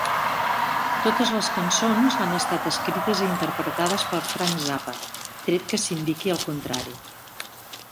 Totes les cançons han estat escrites i interpretades per Frank Zappa, tret que s'indiqui el contrari.